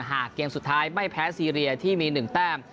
หากเกมสุดท้ายไม่แพ้ซีเรียที่มี๑แต้ม